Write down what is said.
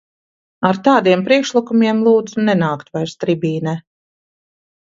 Ar tādiem priekšlikumiem lūdzu nenākt vairs tribīnē.